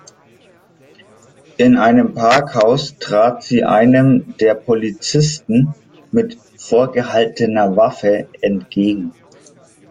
In einem Parkhaus trat sie einem der Polizisten mit vorgehaltener Waffe entgegen.